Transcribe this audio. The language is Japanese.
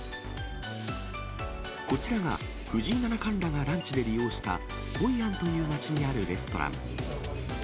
こちらが藤井七冠らがランチで利用した、ホイアンという街にあるレストラン。